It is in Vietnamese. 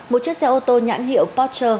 một chiếc xe ô tô nhãn hiệu porsche